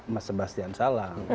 mas sebastian salang